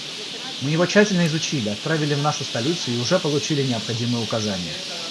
Мы его тщательно изучили, отправили в нашу столицу и уже получили необходимые указания.